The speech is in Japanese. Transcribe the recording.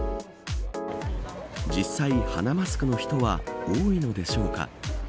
実際、鼻マスクの人は多いのでしょうか。